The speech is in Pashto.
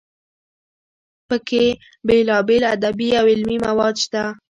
پکې بېلابېل ادبي او علمي مواد شته.